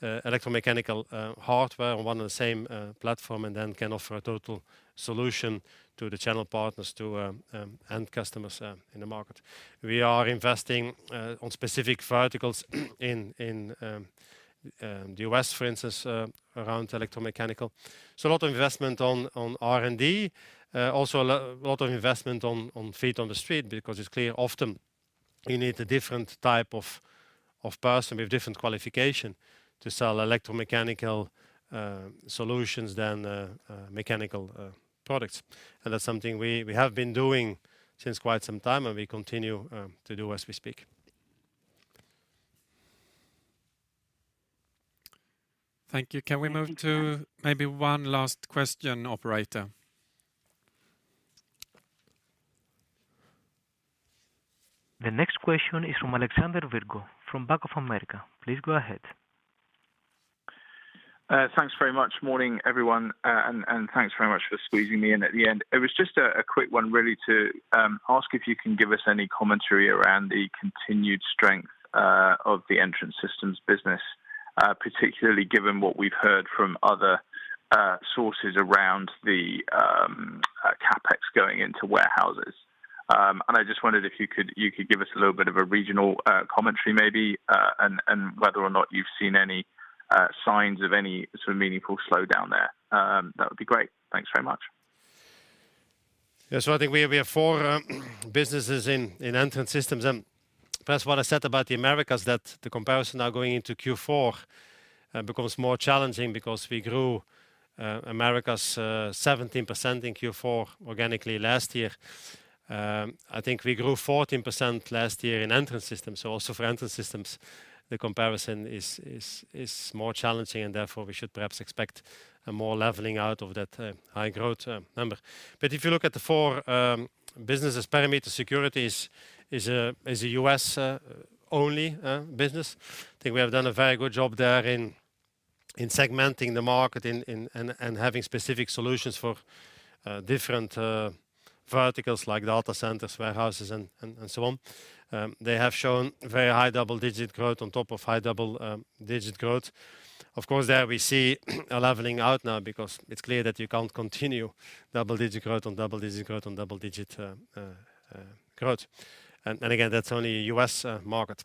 electromechanical hardware on one and the same platform and then can offer a total solution to the channel partners, to end customers in the market. We are investing on specific verticals in the U.S., for instance, around electromechanical. A lot of investment on R&D. Also a lot of investment on feet on the street because it's clear often you need a different type of person with different qualification to sell electromechanical solutions than mechanical products. That's something we have been doing since quite some time, and we continue to do as we speak. Thank you. Can we move to maybe one last question, operator? The next question is from Alexander Virgo from Bank of America. Please go ahead. Thanks very much. Morning, everyone, and thanks very much for squeezing me in at the end. It was just a quick one really to ask if you can give us any commentary around the continued strength of the Entrance Systems business, particularly given what we've heard from other sources around the CapEx going into warehouses. I just wondered if you could give us a little bit of a regional commentary maybe, and whether or not you've seen any signs of any sort of meaningful slowdown there. That would be great. Thanks very much. Yeah. I think we have four businesses in Entrance Systems. First, what I said about the Americas, that the comparison now going into Q4 becomes more challenging because we grew Americas 17% in Q4 organically last year. I think we grew 14% last year in Entrance Systems. Also for Entrance Systems, the comparison is more challenging, and therefore, we should perhaps expect a more leveling out of that high growth number. If you look at the four businesses, Perimeter Security is a U.S.-only business. I think we have done a very good job there in segmenting the market and having specific solutions for different verticals like data centers, warehouses, and so on. They have shown very high double-digit growth on top of high double digit growth. Of course, there we see a leveling out now because it's clear that you can't continue double-digit growth on double-digit growth on double-digit growth. Again, that's only US market.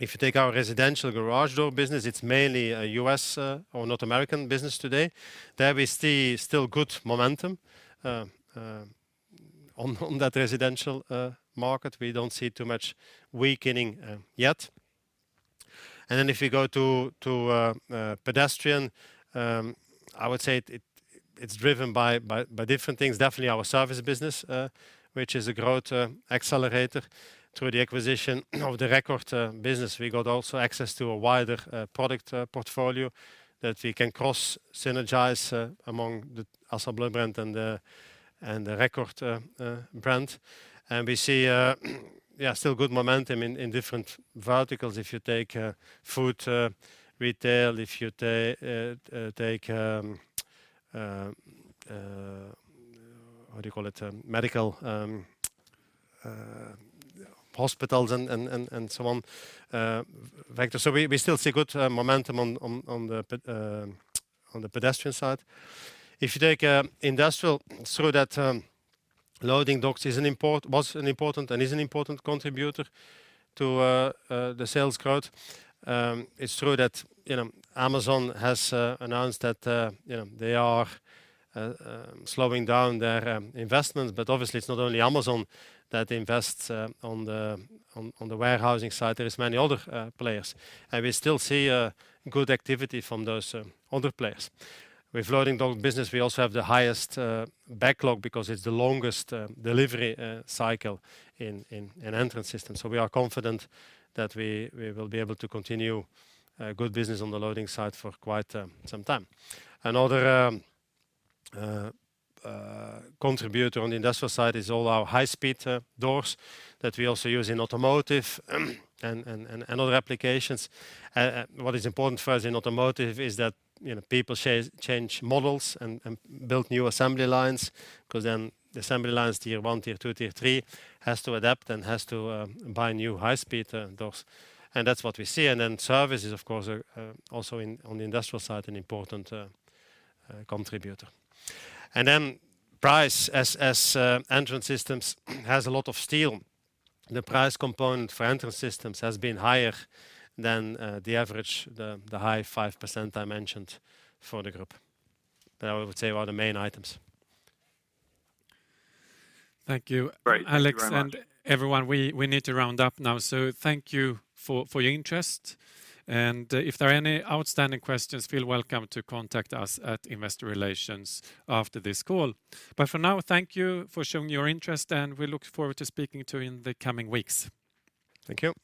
If you take our residential garage door business, it's mainly a U.S. or North American business today. There we see still good momentum on that residential market. We don't see too much weakening yet. If you go to pedestrian, I would say it's driven by different things. Definitely our service business, which is a growth accelerator through the acquisition of the Record business. We got also access to a wider product portfolio that we can cross-synergize among the Assa Abloy brand and the agta record brand. We see still good momentum in different verticals. If you take food retail, if you take what do you call it medical hospitals and so on sector. We still see good momentum on the pedestrian side. If you take industrial so that loading docks was an important and is an important contributor to the sales growth. It's true that, you know, Amazon has announced that, you know, they are slowing down their investments, but obviously it's not only Amazon that invests on the warehousing side. There is many other players. We still see good activity from those other players. With loading dock business, we also have the highest backlog because it's the longest delivery cycle in Entrance Systems, so we are confident that we will be able to continue good business on the loading side for quite some time. Another contributor on the industrial side is all our high-speed doors that we also use in automotive and other applications. What is important for us in automotive is that, you know, people change models and build new assembly lines 'cause then the assembly lines tier one, tier two, tier three has to adapt and buy new high-speed doors, and that's what we see. Service is of course also in on the industrial side, an important contributor. Price as Entrance Systems has a lot of steel, the price component for Entrance Systems has been higher than the average, the high 5% I mentioned for the group. I would say are the main items. Thank you. Great. Thank you very much. Alex and everyone, we need to round up now, so thank you for your interest. If there are any outstanding questions, feel welcome to contact us at Investor Relations after this call. For now, thank you for showing your interest, and we look forward to speaking to you in the coming weeks. Thank you.